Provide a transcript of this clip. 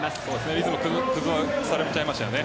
リズム、崩されちゃいましたね。